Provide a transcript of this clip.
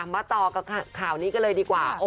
มาต่อกับข่าวนี้กันเลยดีกว่า